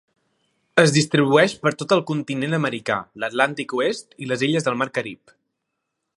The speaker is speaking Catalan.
Es distribueix per tot el continent americà, l'Atlàntic oest i les illes del Mar Carib.